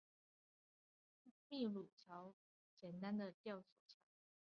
秘鲁草绳桥是印加帝国过峡谷和河流的简单吊索桥。